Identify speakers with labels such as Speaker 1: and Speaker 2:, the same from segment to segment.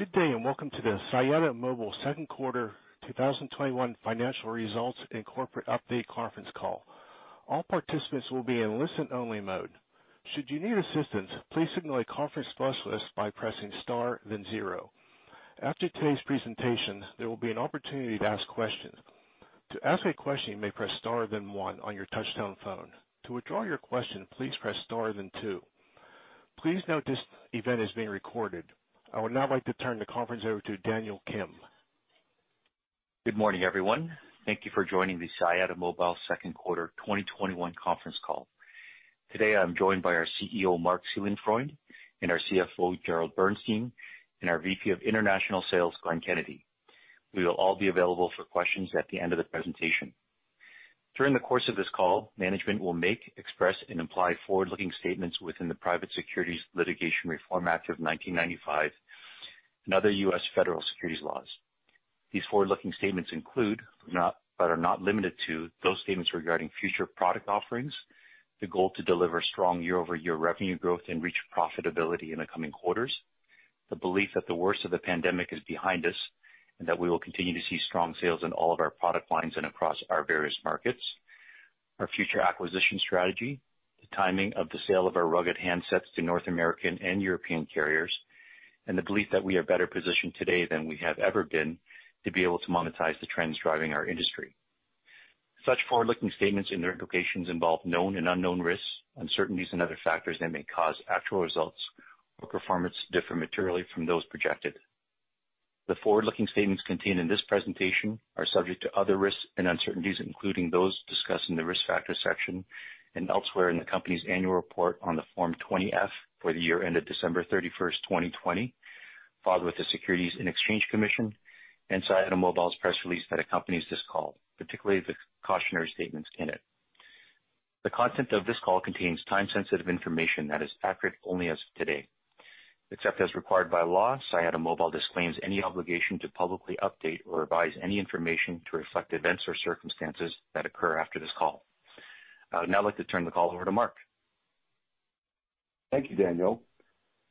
Speaker 1: Good day, and welcome to the Siyata Mobile second quarter 2021 financial results and corporate update conference call. All participants will be in listen-only mode. Should you need assistance, please signal a conference specialist by pressing star then zero. After today's presentation, there will be an opportunity to ask questions. To ask question, you may press star then one on your touch-tone phone. To withdraw your question, please press star then two. Please note this event is being recorded. I would now like to turn the conference over to Daniel Kim.
Speaker 2: Good morning, everyone. Thank you for joining the Siyata Mobile second quarter 2021 conference call. Today, I'm joined by our CEO, Marc Seelenfreund, and our CFO, Gerald Bernstein, and our VP of International Sales, Glenn Kennedy. We will all be available for questions at the end of the presentation. During the course of this call, management will make express and imply forward-looking statements within the Private Securities Litigation Reform Act of 1995 and other U.S. federal securities laws. These forward-looking statements include, but are not limited to, those statements regarding future product offerings, the goal to deliver strong year-over-year revenue growth and reach profitability in the coming quarters, the belief that the worst of the pandemic is behind us, and that we will continue to see strong sales in all of our product lines and across our various markets, our future acquisition strategy, the timing of the sale of our rugged handsets to North American and European carriers, and the belief that we are better positioned today than we have ever been to be able to monetize the trends driving our industry. Such forward-looking statements and their implications involve known and unknown risks, uncertainties, and other factors that may cause actual results or performance to differ materially from those projected. The forward-looking statements contained in this presentation are subject to other risks and uncertainties, including those discussed in the Risk Factors section and elsewhere in the company's annual report on the Form 20-F for the year ended December 31st, 2020, filed with the Securities and Exchange Commission and Siyata Mobile Inc.'s press release that accompanies this call, particularly the cautionary statements in it. The content of this call contains time-sensitive information that is accurate only as of today. Except as required by law, Siyata Mobile Inc. disclaims any obligation to publicly update or revise any information to reflect events or circumstances that occur after this call. I would now like to turn the call over to Marc.
Speaker 3: Thank you, Daniel.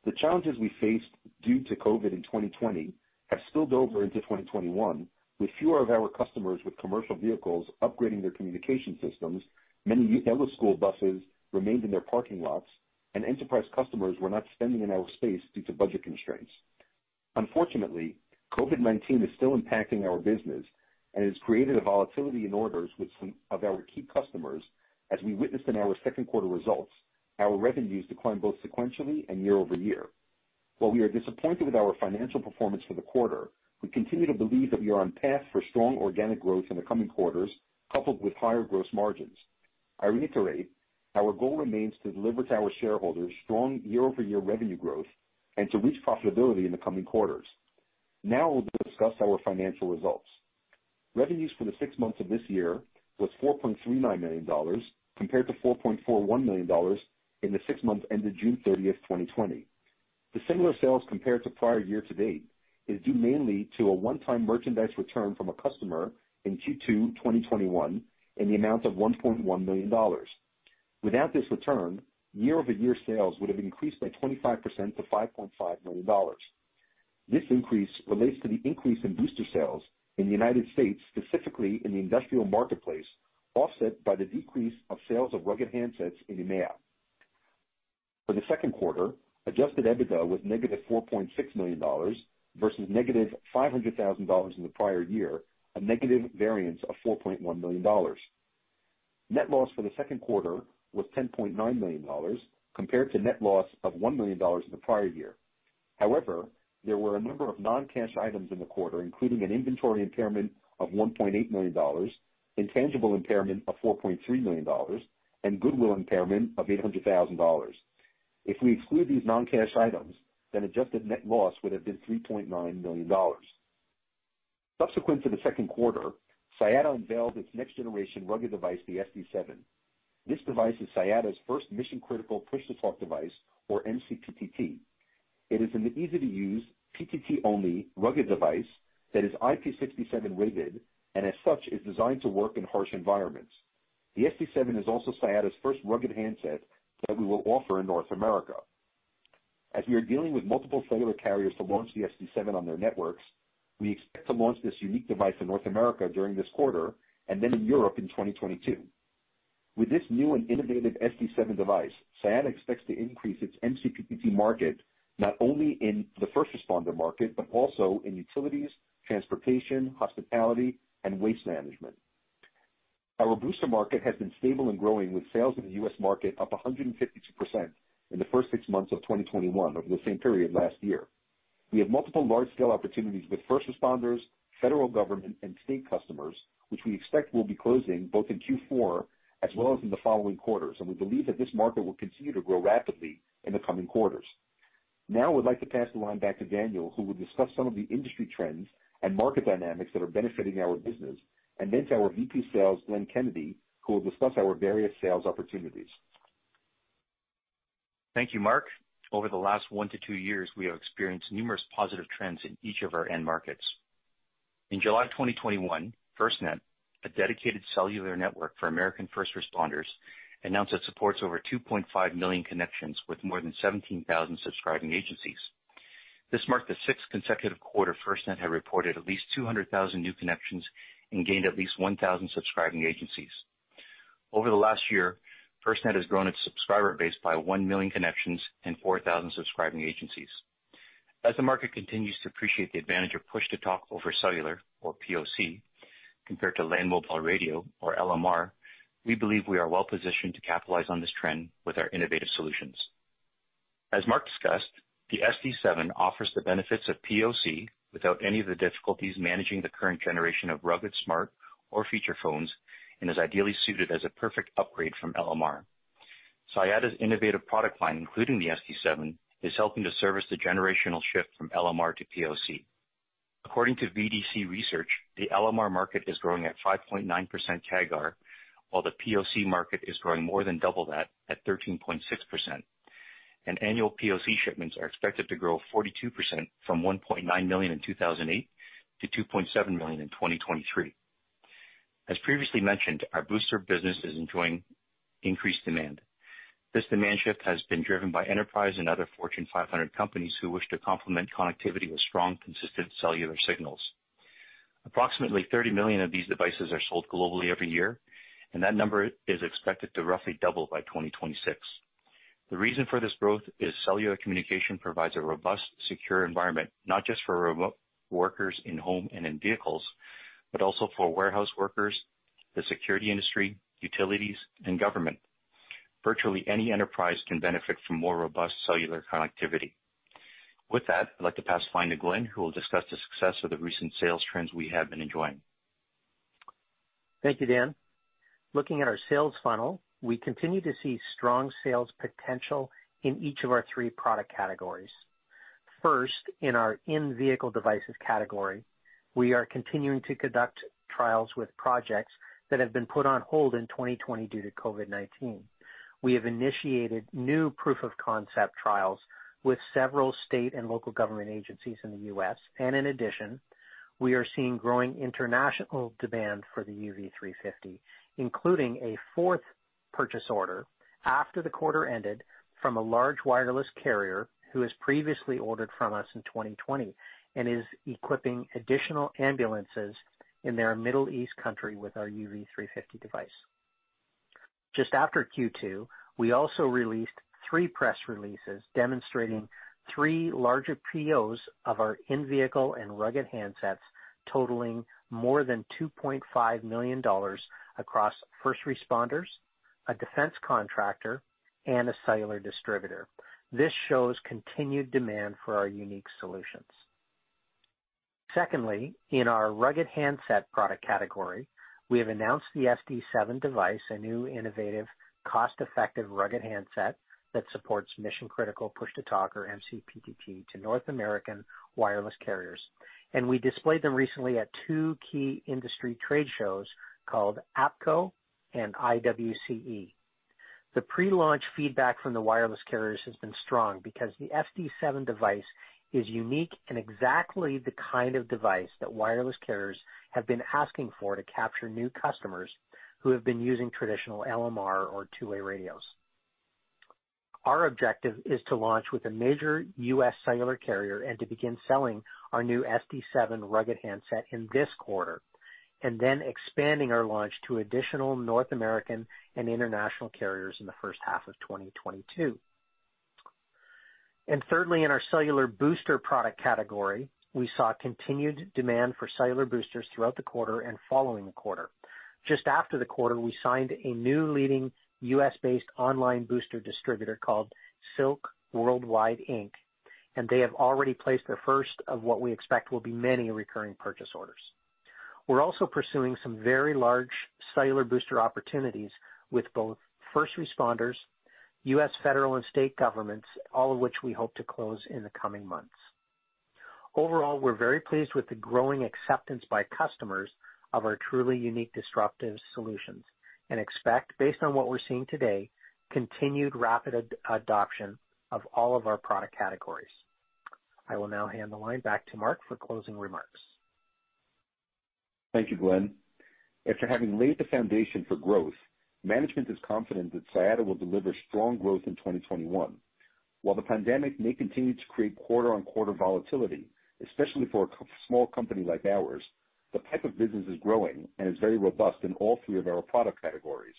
Speaker 3: The challenges we faced due to COVID in 2020 have spilled over into 2021, with fewer of our customers with commercial vehicles upgrading their communication systems, many yellow school buses remained in their parking lots, and enterprise customers were not spending in our space due to budget constraints. Unfortunately, COVID-19 is still impacting our business and has created a volatility in orders with some of our key customers. As we witnessed in our second quarter results, our revenues declined both sequentially and year-over-year. While we are disappointed with our financial performance for the quarter, we continue to believe that we are on path for strong organic growth in the coming quarters, coupled with higher gross margins. I reiterate, our goal remains to deliver to our shareholders strong year-over-year revenue growth and to reach profitability in the coming quarters. Now we'll discuss our financial results. Revenues for the six months of this year was $4.39 million, compared to $4.41 million in the six months ended June 30th, 2020. The similar sales compared to prior year-to-date is due mainly to a one-time merchandise return from a customer in Q2 2021 in the amount of $1.1 million. Without this return, year-over-year sales would have increased by 25% to $5.5 million. This increase relates to the increase in booster sales in the United States, specifically in the industrial marketplace, offset by the decrease of sales of rugged handsets in EMEA. For the second quarter, adjusted EBITDA was -$4.6 million versus -$500,000 in the prior year, a negative variance of $4.1 million. Net loss for the second quarter was $10.9 million, compared to net loss of $1 million in the prior year. However, there were a number of non-cash items in the quarter, including an inventory impairment of $1.8 million, intangible impairment of $4.3 million, and goodwill impairment of $800,000. If we exclude these non-cash items, then adjusted net loss would have been $3.9 million. Subsequent to the second quarter, Siyata unveiled its next-generation rugged device, the SD7. This device is Siyata's first mission-critical push-to-talk device or MCPTT. It is an easy-to-use, PTT-only rugged device that is IP67 rated and as such, is designed to work in harsh environments. The SD7 is also Siyata's first rugged handset that we will offer in North America. As we are dealing with multiple cellular carriers to launch the SD7 on their networks, we expect to launch this unique device in North America during this quarter and then in Europe in 2022. With this new and innovative SD7 device, Siyata expects to increase its MCPTT market not only in the first responder market, but also in utilities, transportation, hospitality, and waste management. Our booster market has been stable and growing, with sales in the U.S. market up 152% in the first six months of 2021 over the same period last year. We have multiple large-scale opportunities with first responders, federal government, and state customers, which we expect will be closing both in Q4 as well as in the following quarters, and we believe that this market will continue to grow rapidly in the coming quarters. I would like to pass the line back to Daniel Kim, who will discuss some of the industry trends and market dynamics that are benefiting our business, and then to our VP of International Sales, Glenn Kennedy, who will discuss our various sales opportunities.
Speaker 2: Thank you, Marc. Over the last one to two years, we have experienced numerous positive trends in each of our end markets. In July of 2021, FirstNet, a dedicated cellular network for American first responders, announced it supports over 2.5 million connections with more than 17,000 subscribing agencies. This marked the sixth consecutive quarter FirstNet had reported at least 200,000 new connections and gained at least 1,000 subscribing agencies. Over the last year, FirstNet has grown its subscriber base by 1 million connections and 4,000 subscribing agencies. As the market continues to appreciate the advantage of Push-to-Talk over Cellular, or PoC, compared to Land Mobile Radio, or LMR, we believe we are well-positioned to capitalize on this trend with our innovative solutions. As Marc discussed, the SD7 offers the benefits of POC without any of the difficulties managing the current generation of rugged smart or feature phones and is ideally suited as a perfect upgrade from LMR. Siyata's innovative product line, including the SD7, is helping to service the generational shift from LMR to POC. According to VDC Research, the LMR market is growing at 5.9% CAGR, while the POC market is growing more than double that at 13.6%. Annual POC shipments are expected to grow 42% from 1.9 million in 2008 to 2.7 million in 2023. As previously mentioned, our booster business is enjoying increased demand. This demand shift has been driven by Enterprise and other Fortune 500 companies who wish to complement connectivity with strong, consistent cellular signals. Approximately 30 million of these devices are sold globally every year, and that number is expected to roughly double by 2026. The reason for this growth is cellular communication provides a robust, secure environment, not just for remote workers in home and in vehicles, but also for warehouse workers, the security industry, utilities, and government. Virtually any enterprise can benefit from more robust cellular connectivity. With that, I'd like to pass the line to Glenn, who will discuss the success of the recent sales trends we have been enjoying.
Speaker 4: Thank you, Dan. Looking at our sales funnel, we continue to see strong sales potential in each of our three product categories. First, in our in-vehicle devices category, we are continuing to conduct trials with projects that have been put on hold in 2020 due to COVID-19. We have initiated new proof of concept trials with several state and local government agencies in the U.S., and in addition, we are seeing growing international demand for the UV350, including a fourth purchase order after the quarter ended from a large wireless carrier who has previously ordered from us in 2020 and is equipping additional ambulances in their Middle East country with our UV350 device. Just after Q2, we also released three press releases demonstrating three larger POs of our in-vehicle and rugged handsets totaling more than $2.5 million across first responders, a defense contractor, and a cellular distributor. This shows continued demand for our unique solutions. Secondly, in our rugged handset product category, we have announced the SD7 device, a new, innovative, cost-effective, rugged handset that supports mission-critical Push-to-Talk, or MCPTT, to North American wireless carriers. We displayed them recently at two key industry trade shows called APCO and IWCE. The pre-launch feedback from the wireless carriers has been strong because the SD7 device is unique and exactly the kind of device that wireless carriers have been asking for to capture new customers who have been using traditional LMR or two-way radios. Our objective is to launch with a major U.S. cellular carrier and to begin selling our new SD7 rugged handset in this quarter, and then expanding our launch to additional North American and international carriers in the first half of 2022. Thirdly, in our cellular booster product category, we saw continued demand for cellular boosters throughout the quarter and following the quarter. Just after the quarter, we signed a new leading U.S.-based online booster distributor called Silk Worldwide Inc., and they have already placed their first of what we expect will be many recurring purchase orders. We're also pursuing some very large cellular booster opportunities with both first responders, U.S. federal and state governments, all of which we hope to close in the coming months. Overall, we're very pleased with the growing acceptance by customers of our truly unique, disruptive solutions and expect, based on what we're seeing today, continued rapid adoption of all of our product categories. I will now hand the line back to Marc for closing remarks.
Speaker 3: Thank you, Glenn. After having laid the foundation for growth, management is confident that Siyata will deliver strong growth in 2021. While the pandemic may continue to create quarter-on-quarter volatility, especially for a small company like ours, the type of business is growing and is very robust in all three of our product categories.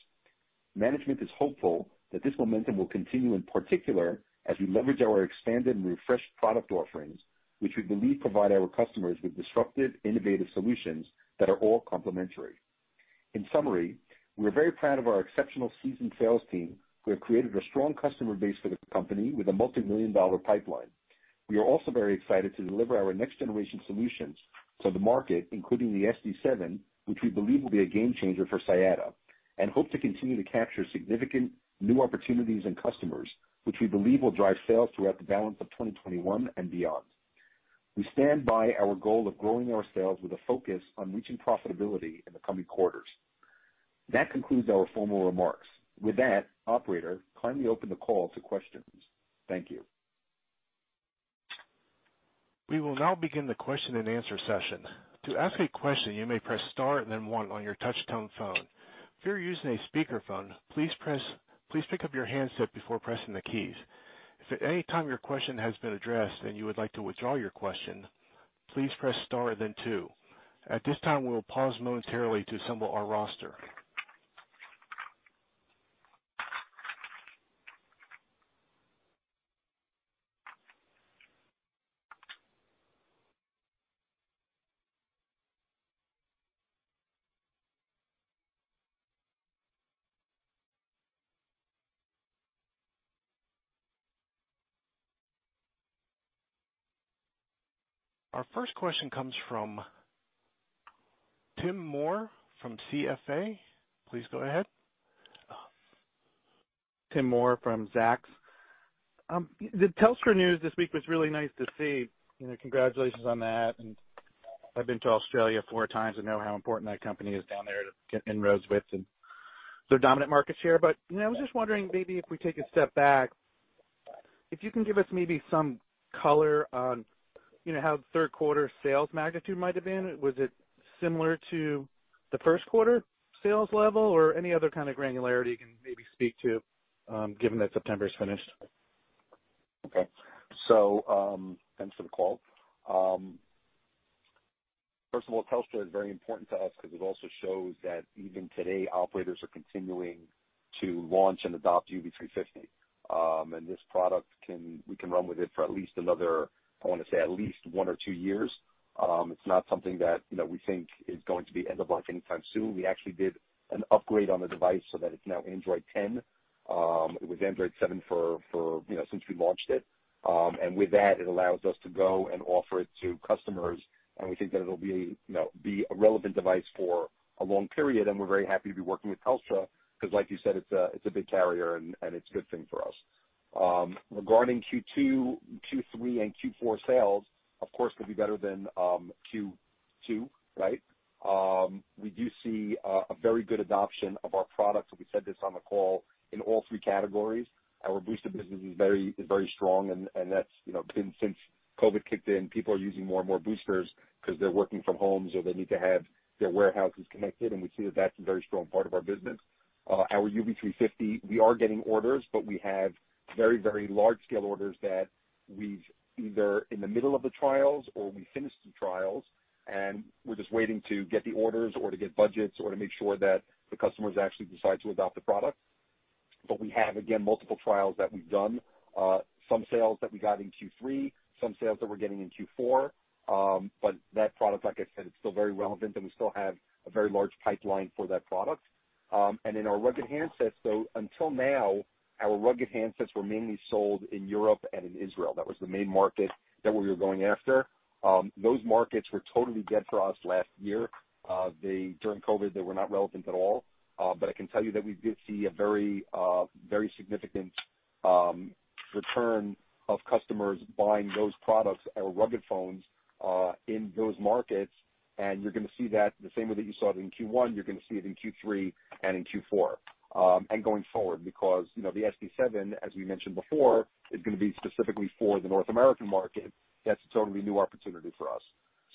Speaker 3: Management is hopeful that this momentum will continue, in particular, as we leverage our expanded and refreshed product offerings, which we believe provide our customers with disruptive, innovative solutions that are all complementary. In summary, we're very proud of our exceptional seasoned sales team, who have created a strong customer base for the company with a multimillion-dollar pipeline. We are also very excited to deliver our next-generation solutions to the market, including the SD7, which we believe will be a game-changer for Siyata, and hope to continue to capture significant new opportunities and customers, which we believe will drive sales throughout the balance of 2021 and beyond. We stand by our goal of growing our sales with a focus on reaching profitability in the coming quarters. That concludes our formal remarks. With that, operator, kindly open the call to questions. Thank you.
Speaker 1: We will now begin the question and answer session. To ask a question, you may press star and then one on your touch-tone phone. If you're using a speakerphone, please pick up your handset before pressing the keys. If at any time your question has been addressed and you would like to withdraw your question, please press star then two. At this time, we will pause momentarily to assemble our roster. Our first question comes from Tim Moore from CFA. Please go ahead.
Speaker 5: Tim Moore from Zacks. The Telstra news this week was really nice to see. Congratulations on that. I've been to Australia 4x. I know how important that company is down there to get inroads with and their dominant market share. I was just wondering, maybe if we take a step back, if you can give us maybe some color on how third quarter sales magnitude might have been. Was it similar to the first quarter sales level? Any other kind of granularity you can maybe speak to, given that September is finished.
Speaker 3: Okay. Thanks for the call. Telstra is very important to us because it also shows that even today, operators are continuing to launch and adopt UV350. This product, we can run with it for at least another, I want to say, at least one or two years. It's not something that we think is going to end of life anytime soon. We actually did an upgrade on the device so that it's now Android 10. It was Android 7 since we launched it. With that, it allows us to go and offer it to customers, and we think that it'll be a relevant device for a long period. We're very happy to be working with Telstra because, like you said, it's a big carrier, and it's a good thing for us. Regarding Q2, Q3, and Q4 sales, of course, will be better than Q2, right? We do see a very good adoption of our products, and we said this on the call, in all three categories. Our booster business is very strong, and that's been since COVID kicked in. People are using more and more boosters because they're working from homes or they need to have their warehouses connected, and we see that that's a very strong part of our business. Our UV350, we are getting orders, but we have very large-scale orders that we've either in the middle of the trials or we finished the trials, and we're just waiting to get the orders or to get budgets or to make sure that the customers actually decide to adopt the product. We have, again, multiple trials that we've done. Some sales that we got in Q3, some sales that we're getting in Q4. That product, like I said, it's still very relevant, and we still have a very large pipeline for that product. Our rugged handsets, until now, our rugged handsets were mainly sold in Europe and in Israel. That was the main market that we were going after. Those markets were totally dead for us last year. During COVID, they were not relevant at all. I can tell you that we did see a very significant return of customers buying those products, our rugged phones, in those markets. You're going to see that the same way that you saw it in Q1, you're going to see it in Q3 and in Q4, and going forward, because the SD7, as we mentioned before, is going to be specifically for the North American market. That's a totally new opportunity for us.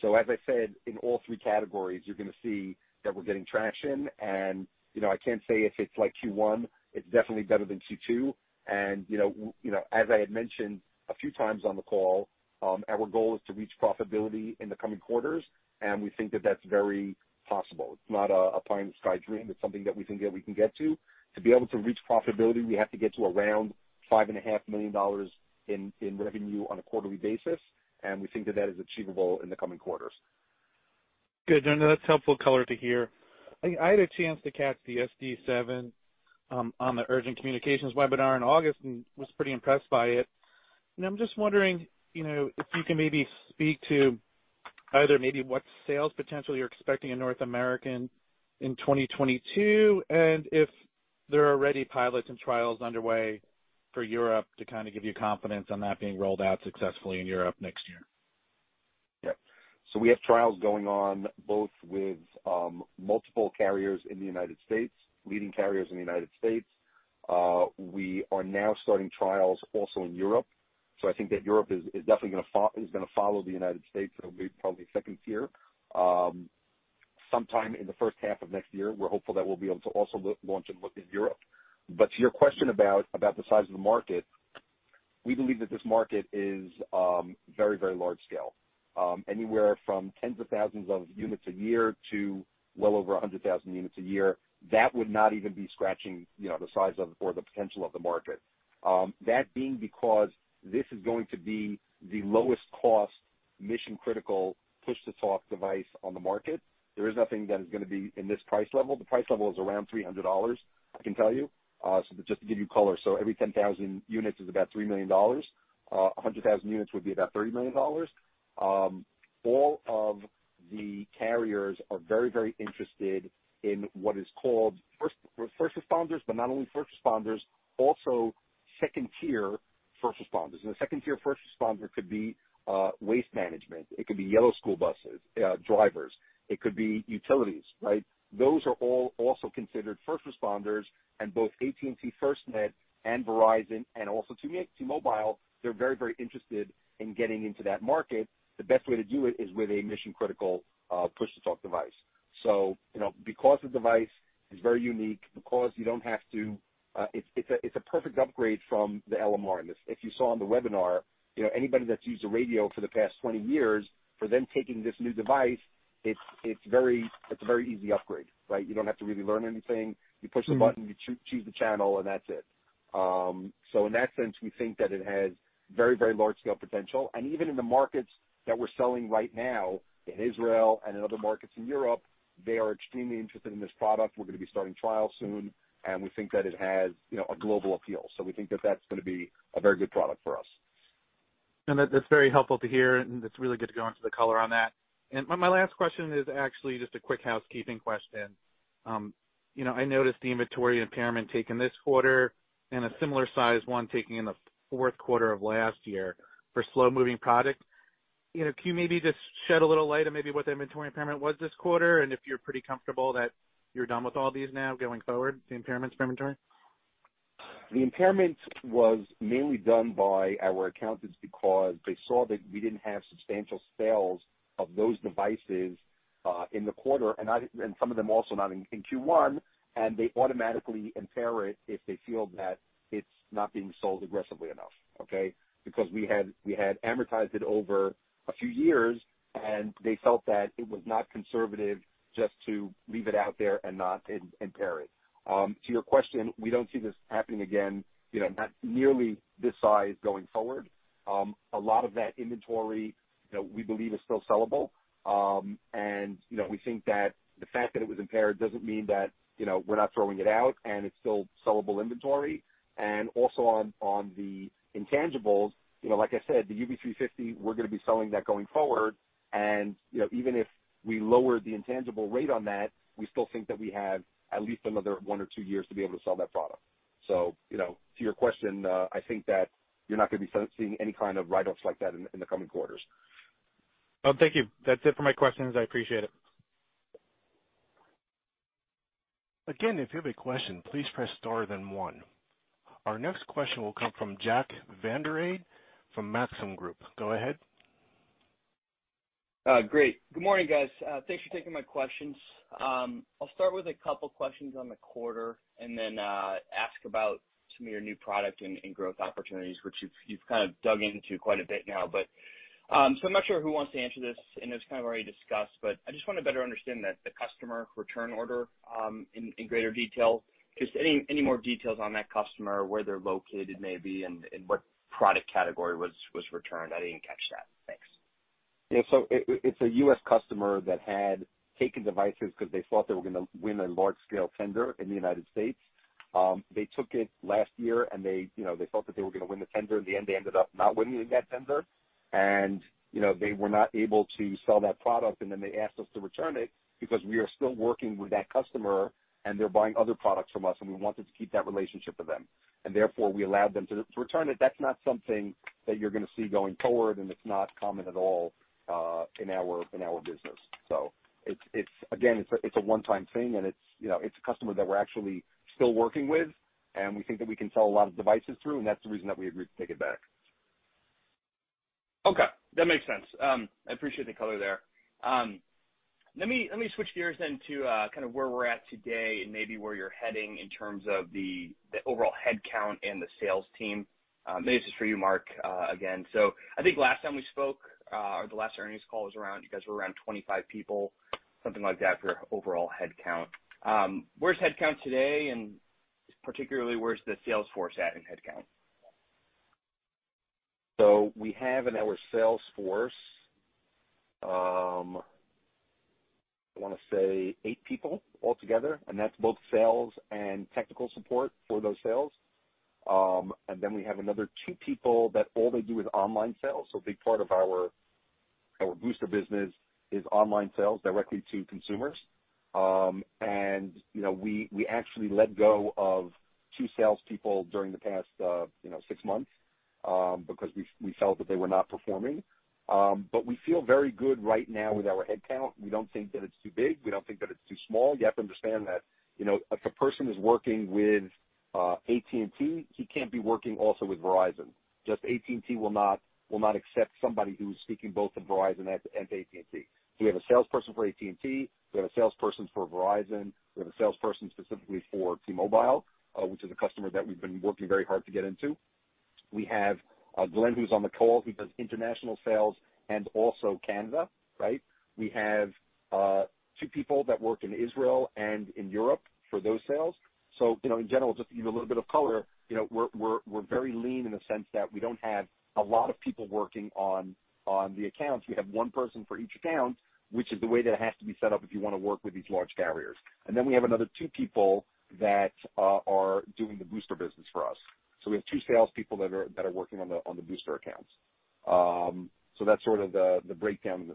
Speaker 3: As I said, in all three categories, you're going to see that we're getting traction. I can't say if it's like Q1. It's definitely better than Q2. As I had mentioned a few times on the call, our goal is to reach profitability in the coming quarters, and we think that that's very possible. It's not a pie in the sky dream. It's something that we think that we can get to. To be able to reach profitability, we have to get to around $5.5 million in revenue on a quarterly basis, and we think that that is achievable in the coming quarters.
Speaker 5: Good. No, that's helpful color to hear. I had a chance to catch the SD7 on the Urgent Communications webinar in August and was pretty impressed by it. I'm just wondering if you can maybe speak to either maybe what sales potential you're expecting in North America in 2022, and if there are already pilots and trials underway for Europe to kind of give you confidence on that being rolled out successfully in Europe next year.
Speaker 3: Yeah. We have trials going on, both with multiple carriers in the U.S., leading carriers in the U.S. We are now starting trials also in Europe. I think that Europe is definitely going to follow the U.S. It'll be probably second tier. Sometime in the first half of next year, we're hopeful that we'll be able to also launch in Europe. To your question about the size of the market, we believe that this market is very large scale. Anywhere from tens of thousands of units a year to well over 100,000 units a year. That would not even be scratching the size of, or the potential of the market. That being because this is going to be the lowest cost mission-critical Push-to-Talk device on the market. There is nothing that is going to be in this price level. The price level is around $300, I can tell you. Just to give you color, every 10,000 units is about $3 million. 100,000 units would be about $30 million. All of the carriers are very interested in what is called first responders, but not only first responders, also second-tier first responders. The second-tier first responder could be waste management, it could be yellow school buses drivers. It could be utilities, right? Those are all also considered first responders both AT&T FirstNet and Verizon and also T-Mobile, they're very interested in getting into that market. The best way to do it is with a mission-critical Push-to-Talk device. Because the device is very unique, because it's a perfect upgrade from the LMR. If you saw on the webinar, anybody that's used a radio for the past 20 years, for them taking this new device, it's a very easy upgrade, right? You don't have to really learn anything. You push the button, you choose the channel, and that's it. In that sense, we think that it has very large-scale potential. Even in the markets that we're selling right now in Israel and in other markets in Europe, they are extremely interested in this product. We're going to be starting trial soon, and we think that it has a global appeal. We think that that's going to be a very good product for us.
Speaker 5: No, that's very helpful to hear, and it's really good to go into the color on that. My last question is actually just a quick housekeeping question. I noticed the inventory impairment taken this quarter and a similar size one taken in the fourth quarter of last year for slow-moving product. Can you maybe just shed a little light on maybe what the inventory impairment was this quarter, and if you're pretty comfortable that you're done with all these now going forward, the impairments for inventory?
Speaker 3: The impairment was mainly done by our accountants because they saw that we didn't have substantial sales of those devices in the quarter, some of them also not in Q1, they automatically impair it if they feel that it's not being sold aggressively enough. Okay? Because we had amortized it over a few years, they felt that it was not conservative just to leave it out there and not impair it. To your question, we don't see this happening again, not nearly this size going forward. A lot of that inventory that we believe is still sellable. We think that the fact that it was impaired doesn't mean that we're not throwing it out, it's still sellable inventory. Also on the intangibles, like I said, the UV350, we're going to be selling that going forward. Even if we lower the intangible rate on that, we still think that we have at least another one or two years to be able to sell that product. To your question, I think that you're not going to be seeing any kind of write-offs like that in the coming quarters.
Speaker 5: Thank you. That's it for my questions. I appreciate it.
Speaker 1: Again, if you have a question, please press star then one. Our next question will come from Jack Vander Aarde from Maxim Group. Go ahead.
Speaker 6: Great. Good morning, guys. Thanks for taking my questions. I'll start with a couple questions on the quarter and then ask about some of your new product and growth opportunities, which you've kind of dug into quite a bit now. I'm not sure who wants to answer this, and it's kind of already discussed, but I just want to better understand the customer return order, in greater detail. Just any more details on that customer, where they're located maybe, and what product category was returned? I didn't catch that. Thanks.
Speaker 3: Yeah. It's a U.S. customer that had taken devices because they thought they were going to win a large-scale tender in the United States. They took it last year, and they thought that they were going to win the tender. In the end, they ended up not winning that tender, and they were not able to sell that product, and then they asked us to return it because we are still working with that customer and they're buying other products from us, and we wanted to keep that relationship with them. Therefore, we allowed them to return it. That's not something that you're going to see going forward, and it's not common at all in our business. Again, it's a one-time thing, and it's a customer that we're actually still working with, and we think that we can sell a lot of devices through, and that's the reason that we agreed to take it back.
Speaker 6: Okay. That makes sense. I appreciate the color there. Let me switch gears then to kind of where we're at today and maybe where you're heading in terms of the overall headcount and the sales team. Maybe this is for you, Marc, again. I think last time we spoke, or the last earnings call was around, you guys were around 25 people, something like that, for your overall headcount. Where's headcount today, and particularly where's the sales force at in headcount?
Speaker 3: We have in our sales force, I want to say eight people altogether, and that's both sales and technical support for those sales. We have another two people that all they do is online sales. A big part of our booster business is online sales directly to consumers. We actually let go of two salespeople during the past six months, because we felt that they were not performing. We feel very good right now with our headcount. We don't think that it's too big. We don't think that it's too small. You have to understand that if a person is working with AT&T, he can't be working also with Verizon. Just AT&T will not accept somebody who's speaking both to Verizon and to AT&T. We have a salesperson for AT&T, we have a salesperson for Verizon, we have a salesperson specifically for T-Mobile, which is a customer that we've been working very hard to get into. We have Glenn, who's on the call, who does international sales and also Canada. Right? We have two people that work in Israel and in Europe for those sales. In general, just to give you a little bit of color, we're very lean in the sense that we don't have a lot of people working on the accounts. We have one person for each account, which is the way that it has to be set up if you want to work with these large carriers. We have another two people that are doing the booster business for us. We have two salespeople that are working on the booster accounts. That's sort of the breakdown in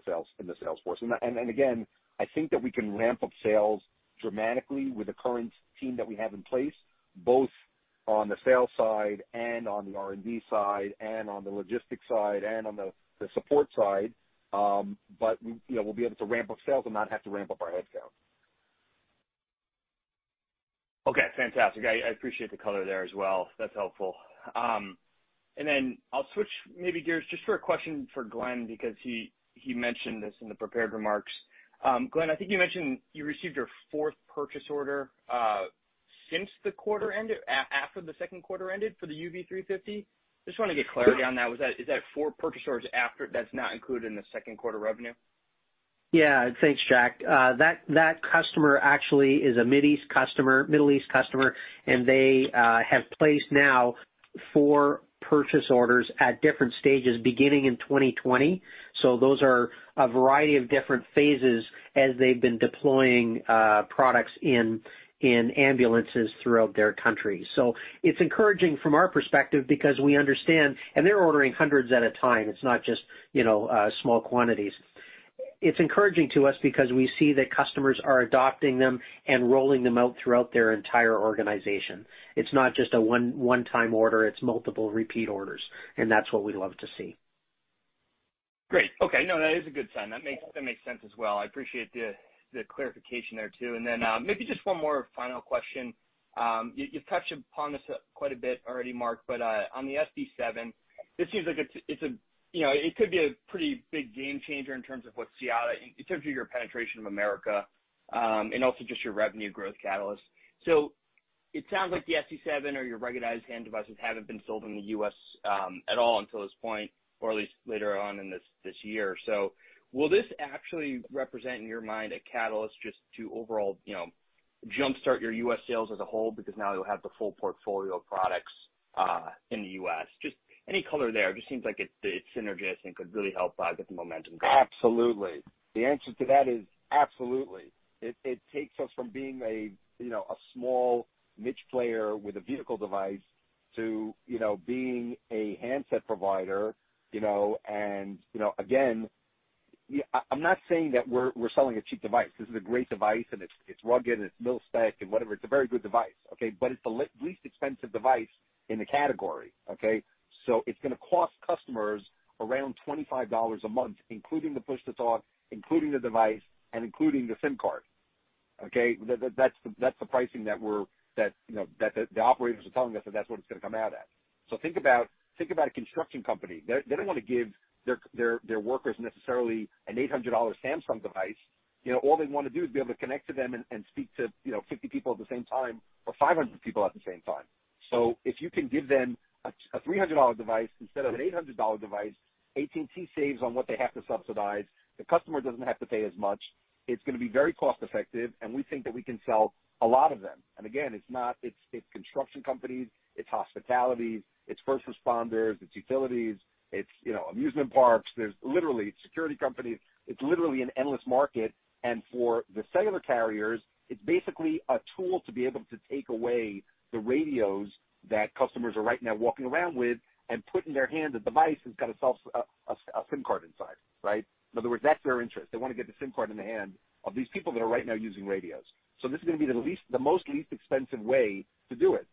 Speaker 3: the sales force. Again, I think that we can ramp up sales dramatically with the current team that we have in place, both on the sales side and on the R&D side, and on the logistics side, and on the support side. We'll be able to ramp up sales and not have to ramp up our headcount.
Speaker 6: Okay, fantastic. I appreciate the color there as well. That's helpful. I'll switch maybe gears just for a question for Glenn, because he mentioned this in the prepared remarks. Glenn, I think you mentioned you received your fourth purchase order since the quarter ended, after the second quarter ended for the UV350? Just want to get clarity on that. Is that four purchase orders after that's not included in the second quarter revenue?
Speaker 4: Yeah. Thanks, Jack. That customer actually is a Middle East customer, and they have placed now four purchase orders at different stages, beginning in 2020. Those are a variety of different phases as they've been deploying products in ambulances throughout their country. It's encouraging from our perspective because we understand, and they're ordering hundreds at a time. It's not just small quantities. It's encouraging to us because we see that customers are adopting them and rolling them out throughout their entire organization. It's not just a one-time order, it's multiple repeat orders, and that's what we love to see.
Speaker 6: Great. Okay. No, that is a good sign. That makes sense as well. I appreciate the clarification there too. Then maybe just one more final question. You've touched upon this quite a bit already, Marc, but, on the SD7, this seems like it could be a pretty big game changer in terms of your penetration of America, and also just your revenue growth catalyst. It sounds like the SD7 or your ruggedized hand devices haven't been sold in the U.S. at all until this point, or at least later on in this year. Will this actually represent, in your mind, a catalyst just to overall jumpstart your U.S. sales as a whole? Now you'll have the full portfolio of products, in the U.S. Just any color there, just seems like it's synergistic and could really help get the momentum going.
Speaker 3: Absolutely. The answer to that is absolutely. It takes us from being a small niche player with a vehicle device to being a handset provider. Again, I'm not saying that we're selling a cheap device. This is a great device, and it's rugged, it's mil-spec and whatever. It's a very good device, okay? It's the least expensive device in the category, okay? It's gonna cost customers around $25 a month, including the push-to-talk, including the device, and including the SIM card, okay? That's the pricing that the operators are telling us that that's what it's gonna come out at. Think about a construction company. They don't want to give their workers necessarily an $800 Samsung device. All they want to do is be able to connect to them and speak to 50 people at the same time or 500 people at the same time. If you can give them a $300 device instead of an $800 device, AT&T saves on what they have to subsidize. The customer doesn't have to pay as much. It's gonna be very cost-effective, and we think that we can sell a lot of them. Again, it's construction companies, it's hospitality, it's first responders, it's utilities, it's amusement parks. There's literally security companies. It's literally an endless market. For the cellular carriers, it's basically a tool to be able to take away the radios that customers are right now walking around with and put in their hand a device that's got a SIM card inside, right? In other words, that's their interest. They want to get the SIM card in the hand of these people that are right now using radios. This is gonna be the most least expensive way to do it.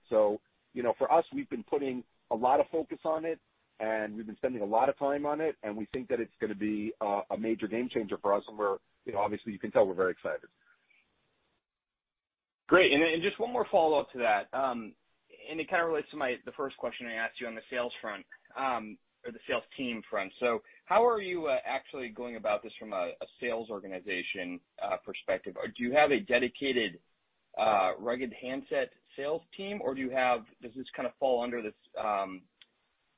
Speaker 3: For us, we've been putting a lot of focus on it, and we've been spending a lot of time on it, and we think that it's going to be a major game changer for us, and we're, obviously you can tell we're very excited.
Speaker 6: Great. Just one more follow-up to that. It kind of relates to the first question I asked you on the sales front, or the sales team front. How are you actually going about this from a sales organization perspective? Do you have a dedicated rugged handset sales team, or does this kind of fall under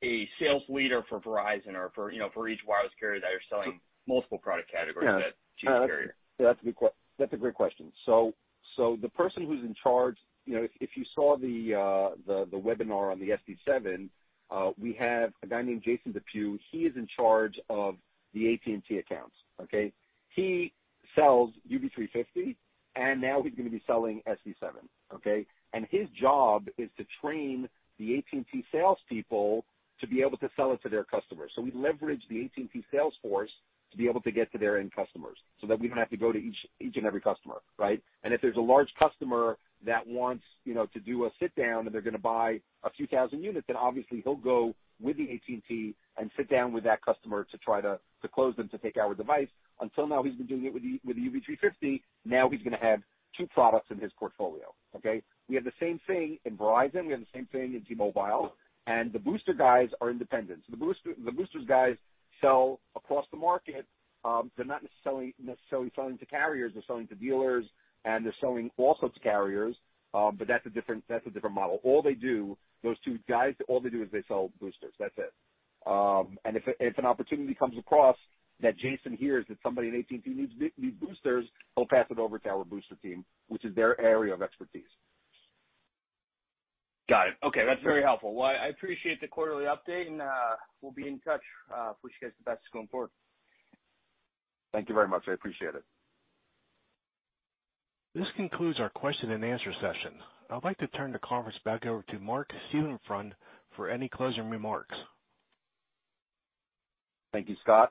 Speaker 6: a sales leader for Verizon or for each wireless carrier that you're selling multiple product categories to each carrier?
Speaker 3: That's a great question. The person who's in charge, if you saw the webinar on the SD7, we have a guy named Jason Depew. He is in charge of the AT&T accounts, okay? He sells UV350, and now he's gonna be selling SD7, okay? His job is to train the AT&T salespeople to be able to sell it to their customers. We leverage the AT&T sales force to be able to get to their end customers so that we don't have to go to each and every customer, right? If there's a large customer that wants to do a sit down and they're gonna buy a few thousand units, then obviously he'll go with the AT&T and sit down with that customer to try to close them to take our device. Until now, he's been doing it with the UV350. He's gonna have two products in his portfolio, okay. We have the same thing in Verizon. We have the same thing in T-Mobile. The booster guys are independent. The boosters guys sell across the market. They're not necessarily selling to carriers. They're selling to dealers, and they're selling also to carriers, but that's a different model. All they do, those two guys, all they do is they sell boosters. That's it. If an opportunity comes across that Jason hears that somebody in AT&T needs these boosters, he'll pass it over to our booster team, which is their area of expertise.
Speaker 6: Got it. Okay, that's very helpful. Well, I appreciate the quarterly update, and we'll be in touch. Wish you guys the best going forward.
Speaker 3: Thank you very much. I appreciate it.
Speaker 1: This concludes our question and answer session. I'd like to turn the conference back over to Marc Seelenfreund for any closing remarks.
Speaker 3: Thank you, Scott.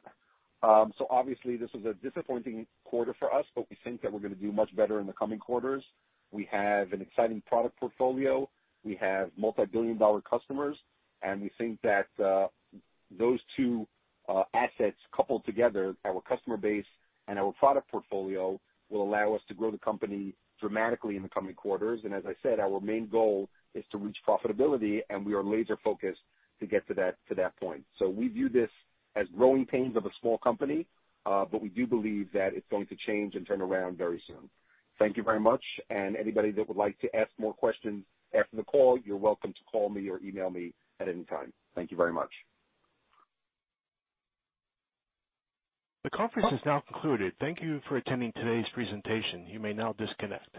Speaker 3: Obviously, this was a disappointing quarter for us, but we think that we're gonna do much better in the coming quarters. We have an exciting product portfolio. We have multibillion-dollar customers, we think that those two assets coupled together, our customer base and our product portfolio, will allow us to grow the company dramatically in the coming quarters. As I said, our main goal is to reach profitability, we are laser-focused to get to that point. We view this as growing pains of a small company. We do believe that it's going to change and turn around very soon. Thank you very much. Anybody that would like to ask more questions after the call, you're welcome to call me or email me at any time. Thank you very much.
Speaker 1: The conference is now concluded. Thank you for attending today's presentation. You may now disconnect.